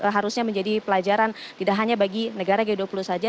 harusnya menjadi pelajaran tidak hanya bagi negara g dua puluh saja